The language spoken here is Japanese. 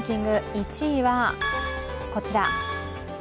１位はこちら。